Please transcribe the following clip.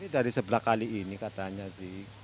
dari sebelah kali ini katanya sih